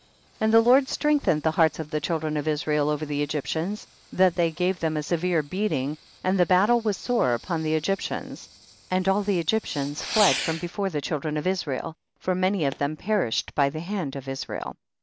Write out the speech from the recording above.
17. And the Lord strengthened the hearts of the children of Israel over the Egyptians, that they gave them a severe beating, and the battle was sore upon the Egyptians, and all the Egyptians fled from before the children of Israel, for many of them perished by the hand of Israel.